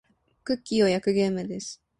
クッキーを焼くゲームです。